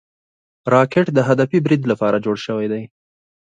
راکټ د هدفي برید لپاره جوړ شوی دی